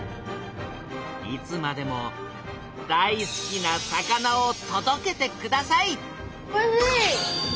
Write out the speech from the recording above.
いつまでも大好きな魚をとどけてくださいおいＣ！